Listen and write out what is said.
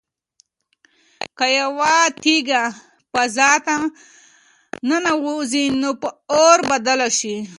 که یوه تیږه فضا ته ننوځي نو په اور بدله شي.